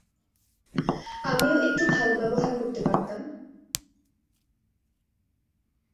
আমিও একটু ভালো ব্যবহার করতে পারতাম।